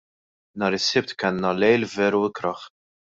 Nhar is-Sibt kellna lejl veru ikrah.